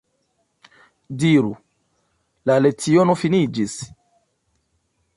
Diru: La leciono finiĝis.